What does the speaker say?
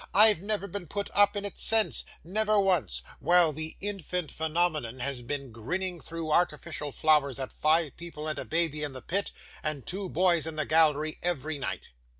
I've never been put up in it since never once while the "infant phenomenon" has been grinning through artificial flowers at five people and a baby in the pit, and two boys in the gallery, every night.